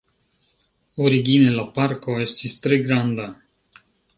Origine la parko estis tre granda.